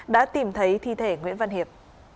đã tìm thấy thi thể nguyễn văn hiệp